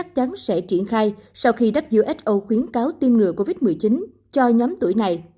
triển khai sau khi who khuyến cáo tiêm ngừa covid một mươi chín cho nhóm tuổi này